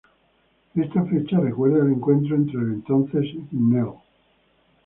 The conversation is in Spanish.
Esta fecha recuerda el encuentro entre el entonces Cnel.